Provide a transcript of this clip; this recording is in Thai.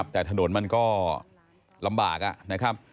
แต่ถนนมันก็ลำบาก